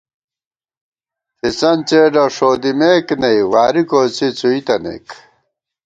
تھِسن څېڈہ ݭودِمېک نئ واری کوڅی څُوئی تنَئیک